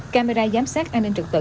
camera giám sát an ninh trật tự